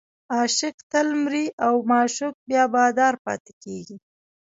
عاشق تل مریی او معشوق بیا بادار پاتې کېږي.